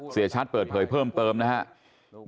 เสียชัดเปิดเผยเพิ่มเติมนะครับ